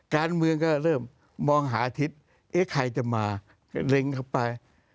การเมืองก็เริ่มมองหาทิศเอ๊ะใครจะมาเล็งเข้าไป